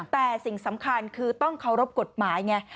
แต่สิ่งสำคัญคือต้องเคารพกฎหมายไง